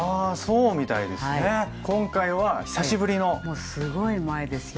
もうすごい前ですよ。